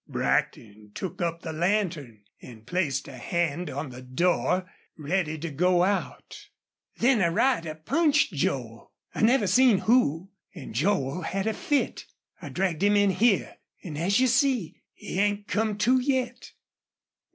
'" Brackton took up the lantern and placed a hand on the door ready to go out. "Then a rider punched Joel I never seen who an' Joel had a fit. I dragged him in here. An' as you see, he ain't come to yet."